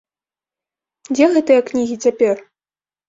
Дзе гэтыя кнігі цяпер?